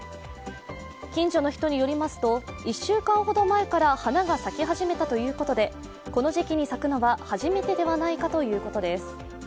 近所の人によりますと１週間ほど前から花が咲き始めたということでこの時期に咲くのは初めてではないかということです。